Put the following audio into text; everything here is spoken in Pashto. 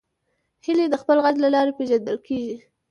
هیلۍ د خپل غږ له لارې پیژندل کېږي